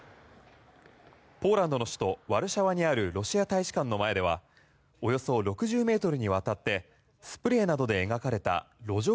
ポーランドの首都ワルシャワにあるロシア大使館の前ではおよそ６０ｍにわたってスプレーなどで描かれた路上